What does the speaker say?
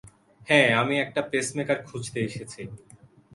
হ্যাঁ, আমি একটা পেসমেকার খুঁজতে এসেছি।